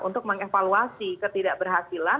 untuk mengevaluasi ketidakberhasilan